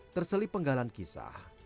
terselip penggalan kisah